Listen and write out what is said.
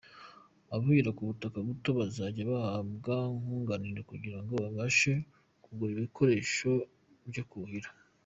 Abuhira ku butaka buto bazajya bahabwa nkunganire kugira ngo babashe kugura ibikoresho byo kuhira.